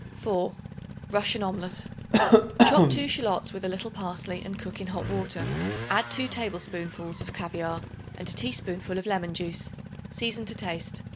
4. Russian Omelet. Chop 2 shallots with a little parsley and cook in hot water. Add 2 tablespoonfuls of caviare and a teaspoonful of lemon juice; season to taste.